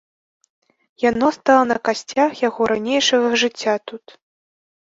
Яно стала на касцях яго ранейшага жыцця тут.